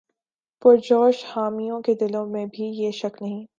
پرجوش حامیوں کے دلوں میں بھی یہ شک نہیں